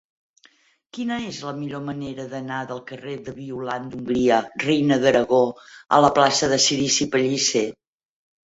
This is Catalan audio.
Quina és la millor manera d'anar del carrer de Violant d'Hongria Reina d'Aragó a la plaça de Cirici Pellicer?